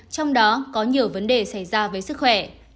trong đó có nhiều vấn đề xảy ra với sức khỏe